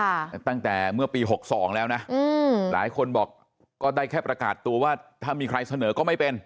ตั้งแต่เมื่อปีหกสองแล้วนะอืมหลายคนบอกก็ได้แค่ประกาศตัวว่าถ้ามีใครเสนอก็ไม่เป็น